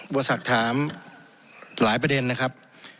บวชศักดิ์ถามหลายประเด็นนะครับ